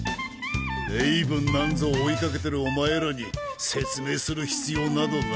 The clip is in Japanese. レイブンなんぞ追い掛けてるお前らに説明する必要などない。